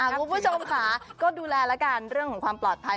คุณผู้ชมค่ะก็ดูแลแล้วกันเรื่องของความปลอดภัย